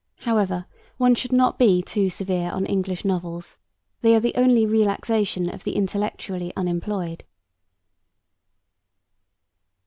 However, one should not be too severe on English novels: they are the only relaxation of the intellectually unemployed.